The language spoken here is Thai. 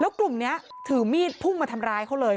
กลุ่มนี้ถือมีดพุ่งมาทำร้ายเขาเลย